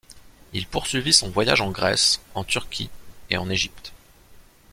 Il poursuivit son voyage en Grèce, en Turquie et en Égypte.